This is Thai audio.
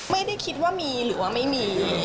ไม่ได้คิดว่ามีหรือว่าไม่มี